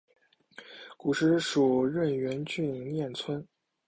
古时属荏原郡衾村。